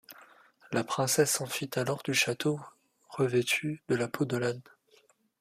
La princesse s'enfuit alors du château, revêtue de la peau de l'âne.